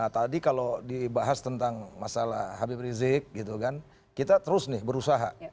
tadi kalau dibahas tentang masalah habib rizik gitu kan kita terus nih berusaha